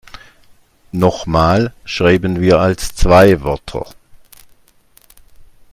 Noch mal schreiben wir als zwei Wörter.